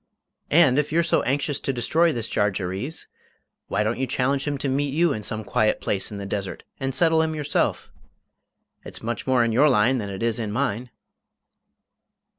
"And if you're so anxious to destroy this Jarjarees, why don't you challenge him to meet you in some quiet place in the desert and settle him yourself? It's much more in your line than it is in mine!"